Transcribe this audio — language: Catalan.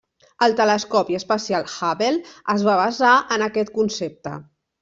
El telescopi espacial Hubble es va basar en aquest concepte.